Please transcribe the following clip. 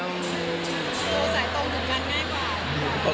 ส่วนตัวใส่ตรงกันง่ายกว่า